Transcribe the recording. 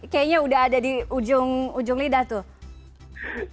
kayaknya udah ada di ujung lidah tuh